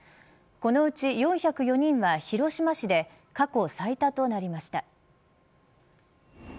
このうち４０４人は、広島市で過去最多となりました。